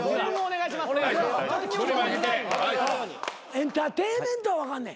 「エンターテイメンッ！」は分かんねん。